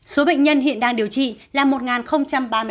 số bệnh nhân hiện đang điều trị là một ba mươi năm người